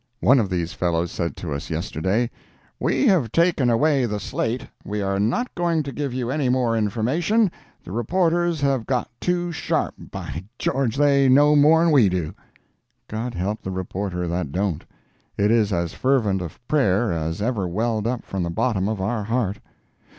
One of these fellows said to us yesterday, "We have taken away the slate; we are not going to give you any more information; the reporters have got too sharp—by George, they know more'n we do!" God help the reporter that don't! It is as fervent a prayer as ever welled up from the bottom of our heart.